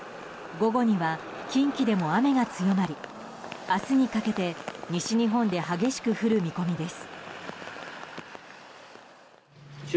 午後には近畿でも雨が強まり明日にかけて西日本で激しく降る見込みです。